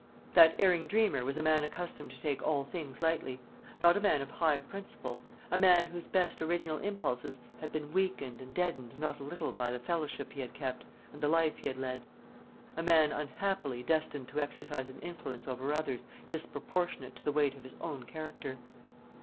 That erring dreamer was a man accustomed to take all things lightly; not a man of high principle a man whose best original impulses had been weakened and deadened not a little by the fellowship he had kept, and the life he had led; a man unhappily destined to exercise an influence over others disproportionate to the weight of his own character.